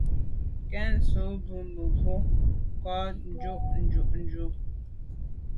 Nke nsôg mbu mi mebwô kà njôg njù juju.